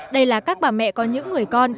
đây là các bà mẹ có những người con